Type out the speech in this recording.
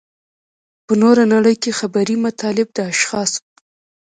په نوره نړۍ کې خبري مطالب د اشخاصو.